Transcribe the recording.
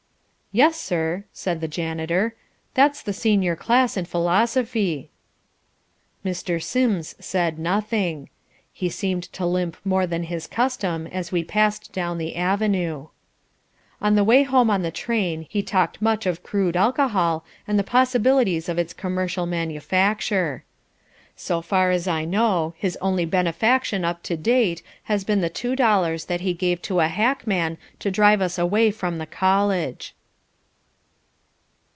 "Yes, sir," said the janitor. "That's the Senior Class in Philosophy." Mr. Sims said nothing. He seemed to limp more than his custom as we passed down the avenue. On the way home on the train he talked much of crude alcohol and the possibilities of its commercial manufacture. So far as I know, his only benefaction up to date has been the two dollars that he gave to a hackman to drive us away from the college.